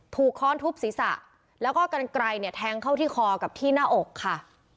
ค้อนทุบศีรษะแล้วก็กันไกลเนี่ยแทงเข้าที่คอกับที่หน้าอกค่ะ